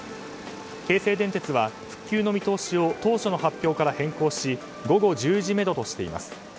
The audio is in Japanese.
京成電鉄は復旧の見通しを当初の発表から変更し午後１０時めどとしています。